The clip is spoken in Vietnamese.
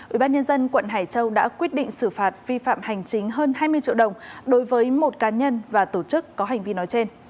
ủy ban nhân dân quận hải châu đã quyết định xử phạt vi phạm hành chính hơn hai mươi triệu đồng đối với một cá nhân và tổ chức có hành vi nói trên